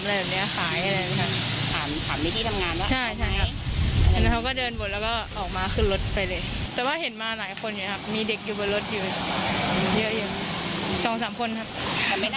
แต่ไม่น่าจะโดนหลอกมาใช้นานอย่างนั้นรึเป็นไง